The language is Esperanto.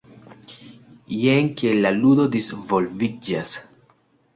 Jen kiel la ludo disvolviĝas.